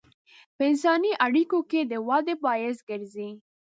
په انساني اړیکو کې د ودې باعث ګرځي.